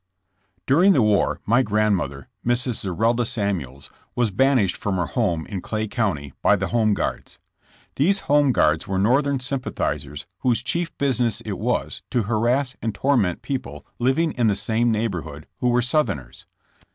T> URINGr the war my grandmother, Mrs. ^^ Zerelda Samuels, was banished from her W^ home in Clay County by the Home Guards. These Home Guards were Northern sympathizers whose chief business it was to harass and torment people living in the same neighborhood who were Southerners.